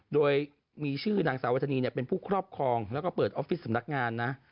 โดยมีชื่อนางสาวธนีเป็นผู้ครอบครองแล้วก็เปิดออฟฟิศสำนักงานนะ